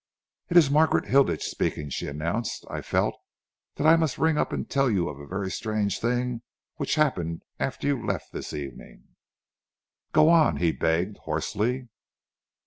"It is Margaret Hilditch speaking," she announced. "I felt that I must ring up and tell you of a very strange thing which happened after you left this evening." "Go on," he begged hoarsely.